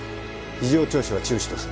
事情聴取は中止とする。